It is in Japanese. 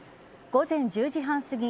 午前１０時半すぎ